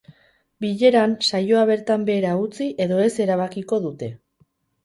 Bileran, saioa bertan behera utzi edo ez erabakiko dute.